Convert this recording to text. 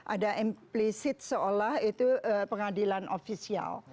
ada implisit seolah itu pengadilan ofisial